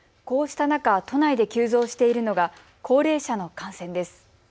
こうした中、都内で急増しているのが高齢者の感染です。